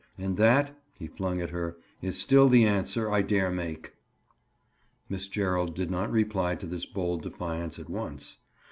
"And that," he flung at her, "is still the answer I dare make." Miss Gerald did not reply to this bold defiance at once.